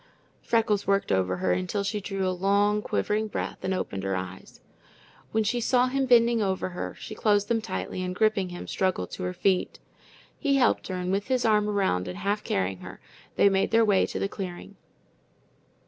Freckles worked over her until she drew a long, quivering breath and opened her eyes. When she saw him bending above her, she closed them tightly, and gripping him, struggled to her feet. He helped her, and with his arm around and half carrying her, they made their way to the clearing.